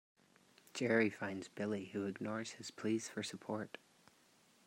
Gerry finds Billy, who ignores his pleas for support.